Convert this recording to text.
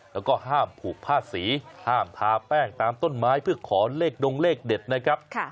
แล้วก็ห้ามผูกผ้าสีห้ามทาแป้งตามต้นไม้เพื่อขอเลขดงเลขเด็ดนะครับ